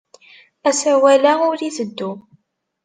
Asawal-a ur itteddu.